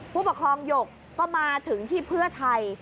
ผู้ปกครองหยกก็มาถึงที่เพื่อไทย